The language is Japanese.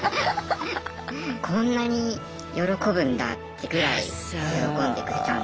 こんなに喜ぶんだってぐらい喜んでくれたんで。